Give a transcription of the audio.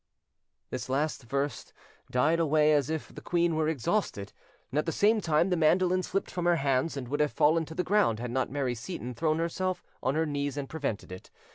This last verse died away as if the queen were exhausted, and at the same time the mandolin slipped from her hands, and would have fallen to the ground had not Mary Seyton thrown herself on her knees and prevented it.